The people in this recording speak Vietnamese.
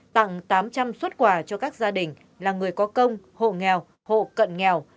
tặng tám trăm linh xuất quà cho các gia đình là người có công hộ nghèo hộ cận nghèo